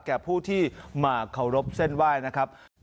แก่ผู้ที่มาเคารพเส้นไหว้นะครับ